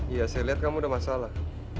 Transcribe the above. iya saya lihat kamu ada masalah